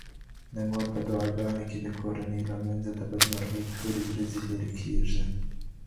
د مور په دعاګانو د کورنۍ له منځه د بدمرغۍ تورې ورېځې لرې کيږي.